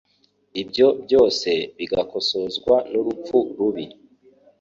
ibyo byose bikazasozwa n'urupfu rubi.